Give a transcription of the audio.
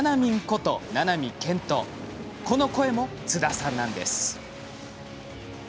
この声も津田さんなんです。